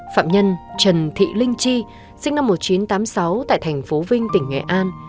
phạm nhân trần thị linh chi sinh năm một nghìn chín trăm tám mươi sáu tại thành phố vinh tỉnh nghệ an